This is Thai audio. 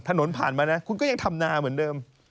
ผ่านมานะคุณก็ยังทำนาเหมือนเดิม